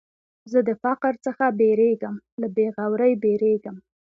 زه د فقر څخه بېرېږم، له بېغورۍ بېرېږم.